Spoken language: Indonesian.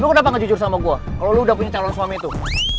lo kenapa ngejujur sama gue kalo lo udah punya calon suami tuh